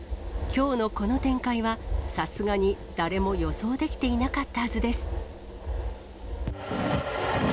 きょうのこの展開は、さすがに誰も予想できていなかったはずです。